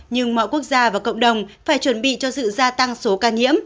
nhưng mọi quốc gia và cộng đồng phải chuẩn bị cho sự gia tăng số ca nhiễm